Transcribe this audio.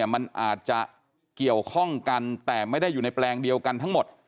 มันอาจจะเกี่ยวข้องกันแต่ไม่ได้อยู่ในแปลงเดียวกันทั้งหมด